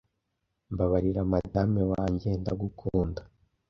mbabarira madame wanjye ndagukunda